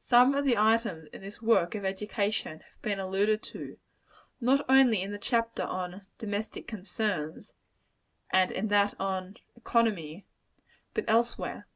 Some of the items in this work of education have been alluded to not only in the chapter on "Domestic Concerns;" and in that on "Economy," but elsewhere.